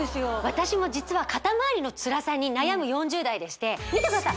私も実は肩まわりのつらさに悩む４０代でして見てください